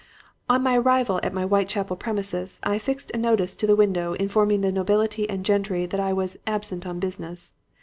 "On my arrival at my Whitechapel premises, I affixed a notice to the window informing the nobility and gentry that I was 'absent on business.'